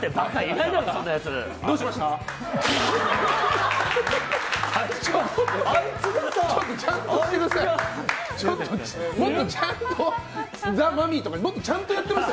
どうしました？